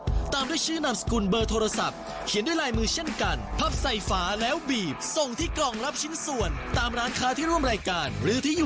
ง่ายมากเลยนะคะเพราะฉะนั้นแล้วเราจับจริงแจกจริง